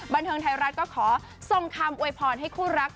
บันเทิงไทยรัฐก็ขอส่งคำอวยพรให้คู่รัก